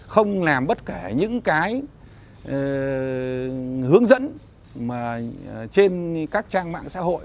không làm bất kể những cái hướng dẫn mà trên các trang mạng xã hội